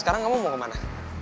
sekarang kamu mau kemana